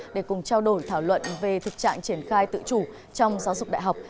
để cùng trao đổi thảo luận về thực trạng triển khai tự chủ trong giáo dục đại học